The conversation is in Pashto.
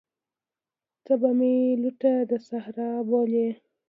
ته به مي لوټه د صحرا بولې